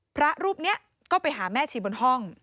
พระรูปนี้ก็ไปหาแม่ชีบนห้อง